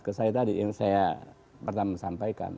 ke saya tadi yang saya pertama sampaikan